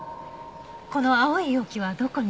この青い容器はどこに？